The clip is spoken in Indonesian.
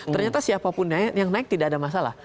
ternyata siapapun yang naik tidak ada masalah